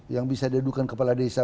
yang bisa diadukan kepala desa